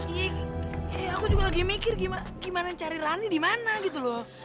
iya aku juga lagi mikir gimana cari rani di mana gitu loh